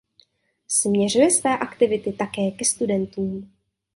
Směřuje své aktivity také ke studentům.